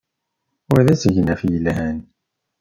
Wa d asegnaf yelhan.